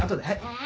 え。